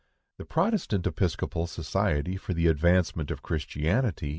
"The Protestant Episcopal Society for the advancement of Christianity